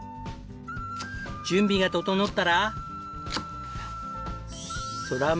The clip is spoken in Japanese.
準備が整ったら。